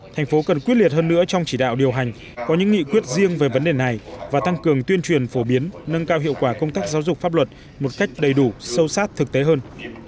thành phố cần quyết liệt hơn nữa trong chỉ đạo điều hành có những nghị quyết riêng về vấn đề này và tăng cường tuyên truyền phổ biến nâng cao hiệu quả công tác giáo dục pháp luật một cách đầy đủ sâu sát thực tế hơn